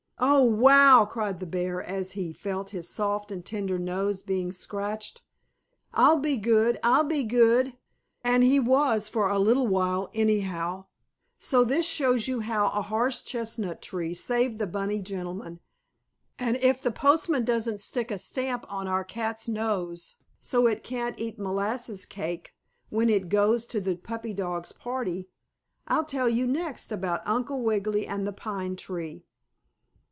"Oh, wow!" cried the bear, as he felt his soft and tender nose being scratched. "I'll be good! I'll be good!" And he was, for a little while, anyhow. So this shows you how a horse chestnut tree saved the bunny gentleman, and if the postman doesn't stick a stamp on our cat's nose so it can't eat molasses cake when it goes to the puppy dog's party, I'll tell you next about Uncle Wiggily and the pine tree.